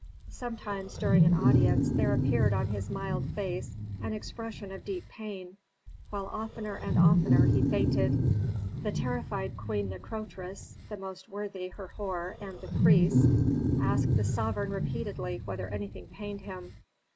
Sometimes during an audience, there appeared on his mild face an expression of deep pain, while oftener and oftener, he fainted. The terrified Queen Nikotris, the most worthy Herhor and the priests, asked the sovereign repeatedly whether anything pained him.